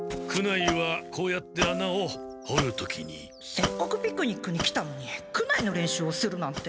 せっかくピクニックに来たのに苦無の練習をするなんて。